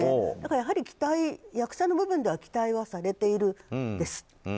やはり役者の部分では期待はされているんです。